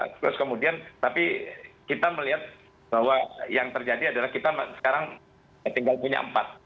terus kemudian tapi kita melihat bahwa yang terjadi adalah kita sekarang tinggal punya empat